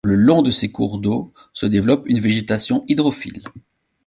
Le long de ces cours d’eau se développe une végétation hydrophile.